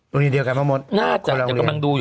โรงเรียนเดียวกันทั้งหมด